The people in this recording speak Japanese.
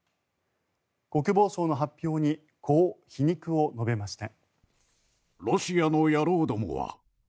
国防省の発表にこう皮肉を述べました。